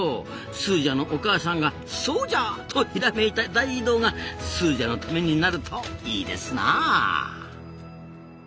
スージャのお母さんがそうじゃ！とひらめいた大移動がスージャのためになるといいですな。